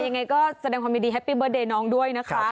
ยังไงก็แสดงความยินดีแฮปปี้เบิร์เดย์น้องด้วยนะคะ